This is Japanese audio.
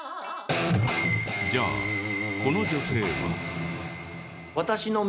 じゃあこの女性は？